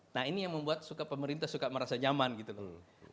nah ini yang membuat suka pemerintah suka merasa nyaman gitu loh